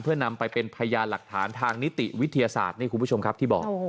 เพื่อนำไปเป็นพยานหลักฐานทางนิติวิทยาศาสตร์นี่คุณผู้ชมครับที่บอก